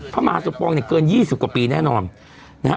พระมหาสมปองเกิน๒๐กว่าปีแน่นอน